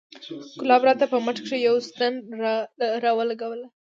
ګلاب راته په مټ کښې يوه ستن راولګوله.